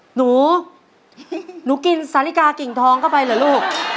หนูหนูกินสาลิกากิ่งทองเข้าไปเหรอลูก